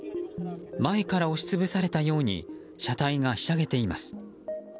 前から押し潰されたように車体がひしゃげています。